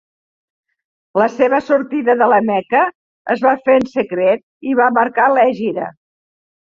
La seva sortida de la Meca es va fer en secret i va marcar l'Hègira.